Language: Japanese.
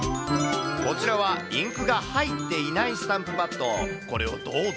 こちらはインクが入っていないスタンプパッド。